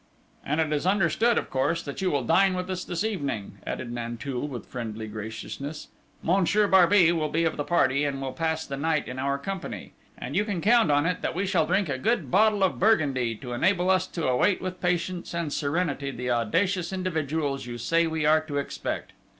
"And it is understood, of course, that you dine with us this evening!" added Nanteuil with friendly graciousness. "Monsieur Barbey will be of the party, and will pass the night in our company ... and you can count on it, that we shall drink a good bottle of Burgundy to enable us to await with patience and serenity the audacious individuals you say we are to expect....